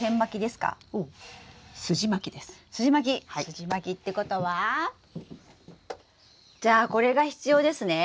すじまきってことはじゃあこれが必要ですね。